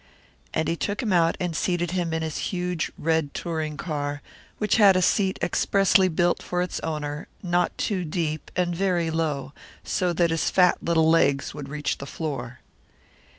And he took him out and seated him in his huge red touring car, which had a seat expressly built for its owner, not too deep, and very low, so that his fat little legs would reach the floor.